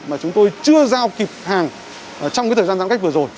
mà chúng tôi chưa giao kịp hàng trong cái thời gian giãn cách vừa rồi